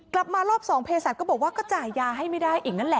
กลับมารอบ๒เพศัตริย์ก็บอกว่าก็จ่ายยาให้ไม่ได้